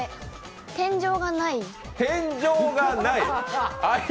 天井がない？